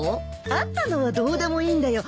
会ったのはどうでもいいんだよ。